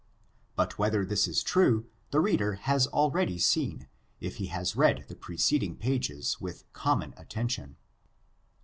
But whether this is true, the reader has al ready seen, if he has read the preceding pages with but common attention.